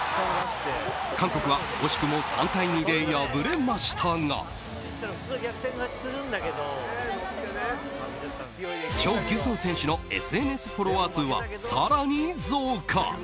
韓国は惜しくも３対２で敗れましたがチョ・ギュソン選手のＳＮＳフォロワー数は更に増加。